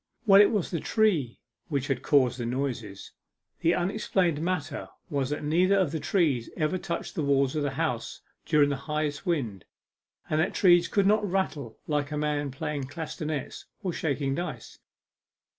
Well, it was the tree which had caused the noises. The unexplained matter was that neither of the trees ever touched the walls of the house during the highest wind, and that trees could not rattle like a man playing castanets or shaking dice.